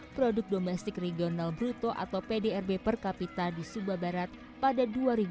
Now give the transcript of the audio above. produk domestik regional bruto atau pdrb per kapita di sumba barat pada dua ribu dua puluh